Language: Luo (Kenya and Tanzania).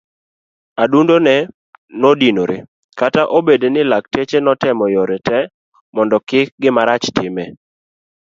Adundone nodinore kata obedo ni lakteche netemo yore te mondo kik gimarach time.